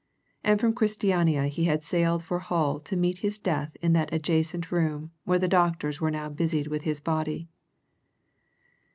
And from Christiania he had sailed for Hull to meet his death in that adjacent room where the doctors were now busied with his body.